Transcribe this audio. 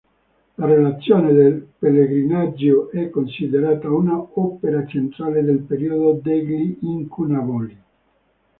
La relazione del pellegrinaggio è considerata un'opera centrale del periodo degli incunaboli.